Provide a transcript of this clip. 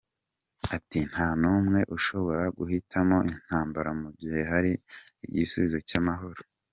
Ati “Nta n’umwe ushobora guhitamo intambara mu gihe hari igisubizo cy’amahoro.